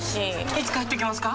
いつ帰ってきますか？